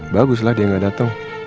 baguslah dia gak dateng